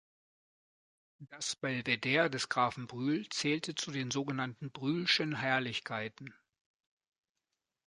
Das Belvedere des Grafen Brühl zählte zu den sogenannten Brühlschen Herrlichkeiten.